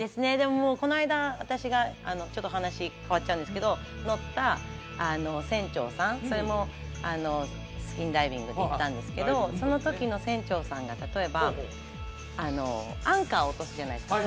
もうこの間私がちょっと話変わっちゃうんですけど乗った船長さんそれもスキンダイビングで行ったんですけどその時の船長さんが例えばアンカーを落とすじゃないですか